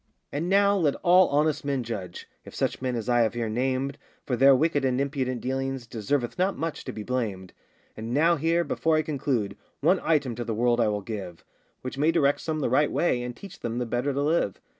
And now let all honest men judge, If such men as I have here named For their wicked and impudent dealings, Deserveth not much to be blamed. And now here, before I conclude, One item to the world I will give, Which may direct some the right way, And teach them the better to live.